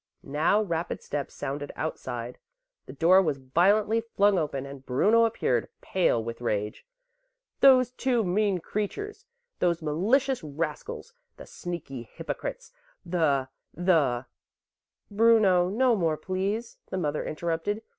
Now rapid steps sounded outside, the door was violently flung open and Bruno appeared, pale with rage: "Those two mean creatures, those malicious rascals; the sneaky hypocrites! the the " "Bruno, no more please," the mother interrupted.